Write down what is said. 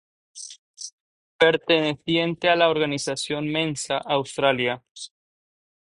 Perteneciente a la organización Mensa Australia.